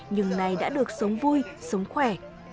nhưng nay đã được sống vui sống khỏe